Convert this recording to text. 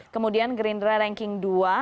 kemudian gerindra ranking dua tujuh belas satu